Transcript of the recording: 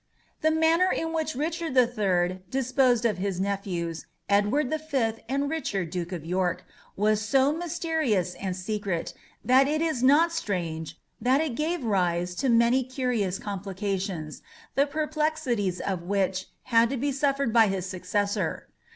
The manner in which Richard the Third disposed of his nephews, Edward the Fifth and Richard, Duke of York, was so mysterious and secret, that it is not strange that it gave rise to many curious complications, the perplexities of which had to be suffered by his successor.